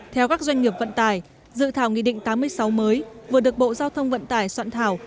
theo các doanh nghiệp vận tải dự thảo nghị định tám mươi sáu mới vừa được bộ giao thông vận tải soạn thảo